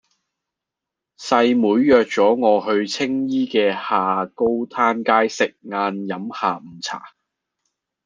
細妹約左我去青衣嘅下高灘街食晏飲下午茶